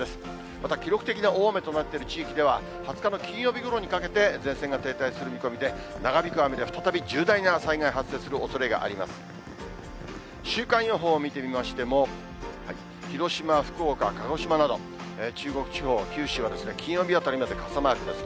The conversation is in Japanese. また記録的な大雨となっている地域では、２０日の金曜日ごろにかけて、前線が停滞する見込みで、長引く雨は再び重大な災害が発生するおそれがあります。